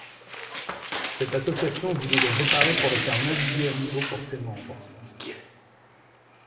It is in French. Cette association voulut le réparer pour le faire naviguer à nouveau pour ses membres.